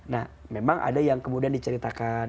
nah memang ada yang kemudian diceritakan